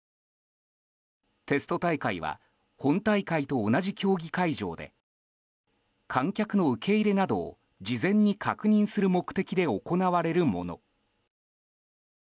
テスト大会は本大会と同じ競技会場で観客の受け入れなどを事前に確認する目的で行われるもの。